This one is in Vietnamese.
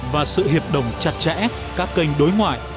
và sự hiệp đồng chặt chẽ các kênh đối ngoại